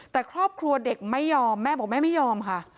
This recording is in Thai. แต่ครอบครัวเด็กไม่ยอมแม่บอกแม่ไม่ยอมค่ะ